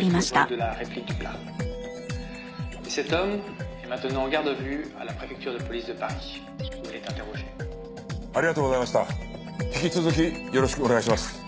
引き続きよろしくお願いします。